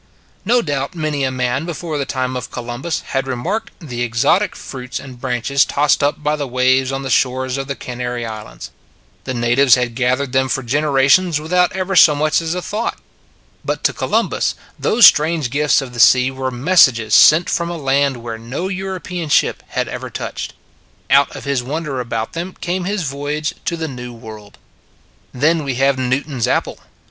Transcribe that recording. No doubt many a man before the time of Columbus had remarked the exotic fruits and branches tossed up by the waves on the shores of the Canary Islands. The natives had gath ered them for generations without ever so much as a thought. But to Columbus those strange gifts of the sea were messages sent from a land where no European ship had ever touched. Out of his wonder about them came his voyage to the New World. 14 It s a Good Old World Then we have Newton s apple.